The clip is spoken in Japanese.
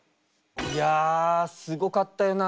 いやすごかったよな。